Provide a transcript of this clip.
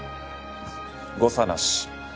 誤差なし。